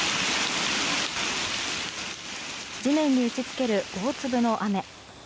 地面に打ち付ける大粒の雨。